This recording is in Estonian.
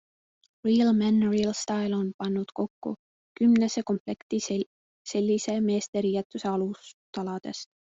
Real Men Real Style on pannud kokku kümnese komplekti sellise meesteriietuse alustaladest.